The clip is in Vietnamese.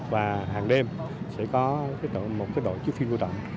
và hàng đêm sẽ có một đội chức phiên của tổng